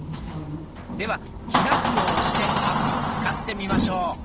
では「開く」を押してアプリを使ってみましょう。